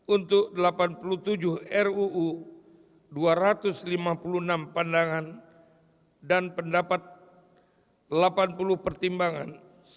untuk delapan puluh tujuh ruu dua ratus lima puluh enam pandangan dan pendapat delapan puluh pertimbangan